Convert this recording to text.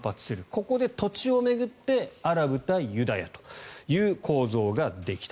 ここで土地を巡ってアラブ対ユダヤという構造ができた。